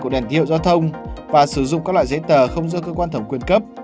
của đèn hiệu giao thông và sử dụng các loại giấy tờ không do cơ quan thẩm quyền cấp